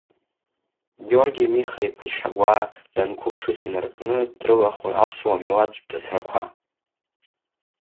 Георги Миха-иԥа Чагәаа данқәыԥшыз инаркны дрыла-хәын аԥсуа милаҭтә ҵысрақәа.